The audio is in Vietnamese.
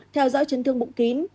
theo dõi chấn thương bụng kín